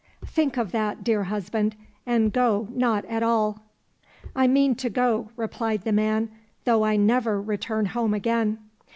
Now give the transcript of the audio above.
Think of that, dear hus band, and go not at all." —" I mean to go," replied the man, " though I never return home again."